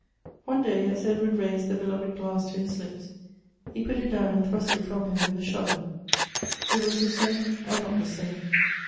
One day as Edward raised the beloved glass to his lips, he put it down and thrust it from him with a shudder. It was the same and not the same.